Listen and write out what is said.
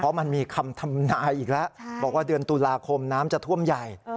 เพราะมันมีคำทำนายอีกแล้วบอกว่าเดือนตุลาคมน้ำจะท่วมใหญ่